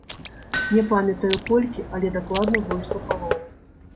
Не памятаю, колькі, але дакладна больш за палову.